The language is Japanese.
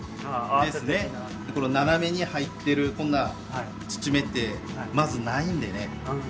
この斜めに入っているこんな目ってまずないんでね。